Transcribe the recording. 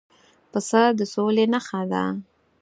پسه د سولې نښه ده.